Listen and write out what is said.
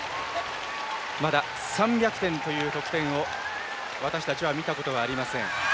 まだ３００点という得点を私たちは見たことがありません。